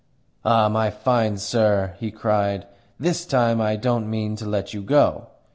"Ah, my fine sir!" he cried. "THIS time I don't mean to let you go.